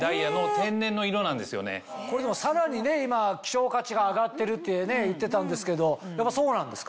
これでもさらに今希少価値が上がってるって言ってたんですけどやっぱそうなんですか？